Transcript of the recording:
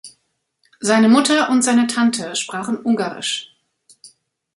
Seine Mutter und seine Tante sprachen ungarisch.